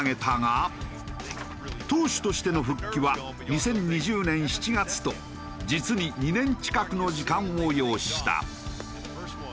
投手としての復帰は２０２０年７月と実に２年近くの時間を要した。